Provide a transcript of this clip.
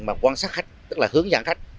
mà quan sát khách tức là hướng dẫn khách